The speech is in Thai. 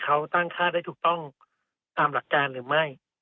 เขาตั้งค่าได้ถูกต้องตามหลักการหรือไม่